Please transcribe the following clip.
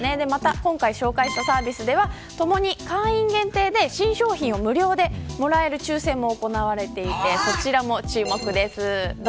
今回、紹介したサービスは共に会員限定で新商品を無料でもらえる抽選も行われていてそちらも注目です。